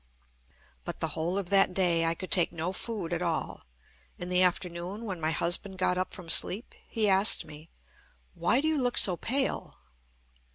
But the whole of that day I could take no food at all. In the afternoon, when my husband got up from sleep, he asked me: "Why do you look so pale?"